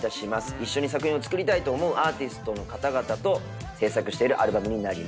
一緒に作品を作りたいと思うアーティストの方々と制作しているアルバムになります。